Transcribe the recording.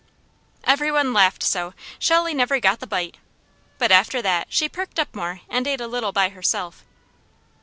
Every one laughed so, Shelley never got the bite; but after that she perked up more and ate a little by herself.